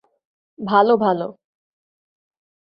ভাল, ভাল।